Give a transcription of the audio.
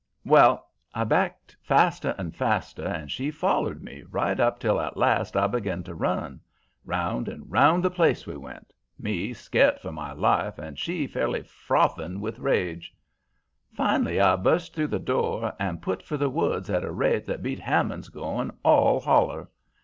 "Well, I backed faster and faster, and she follered me right up till at last I begun to run. Round and round the place we went, me scart for my life and she fairly frothing with rage. Finally I bust through the door and put for the woods at a rate that beat Hammond's going all holler.